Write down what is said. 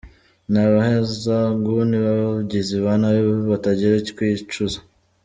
Ni Abahezanguni b’ababagizi banabi batagira kwicuza.”